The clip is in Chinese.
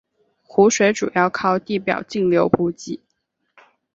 湖水主要靠地表径流补给。